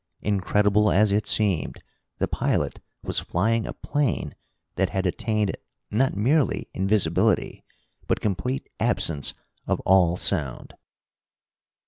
Incredible as it seemed, the pilot was flying a plane that had attained not merely invisibility but complete absence of all sound.